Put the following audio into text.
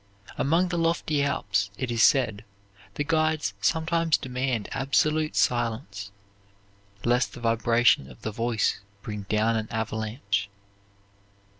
Among the lofty Alps, it is said, the guides sometimes demand absolute silence, lest the vibration of the voice bring down an avalanche.